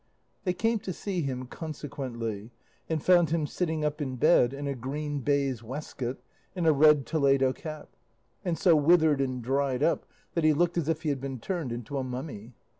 They came to see him consequently, and found him sitting up in bed in a green baize waistcoat and a red Toledo cap, and so withered and dried up that he looked as if he had been turned into a mummy.